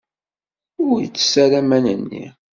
Ur ttess ara aman-nni!